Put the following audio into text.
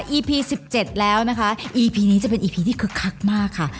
อีพี๑๗แล้วนะคะอีพีนี้จะเป็นอีพีที่คึกคักมากค่ะ